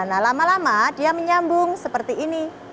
nah lama lama dia menyambung seperti ini